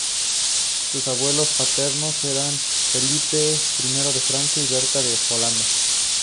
Sus abuelos paternos eran Felipe I de Francia y Berta de Holanda.